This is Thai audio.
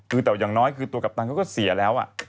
คือแต่อย่างน้อยคือตัวกัปตันเขาก็เสียแล้ว